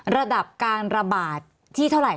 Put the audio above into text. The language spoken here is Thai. ระดับการระบาดที่เท่าไหร่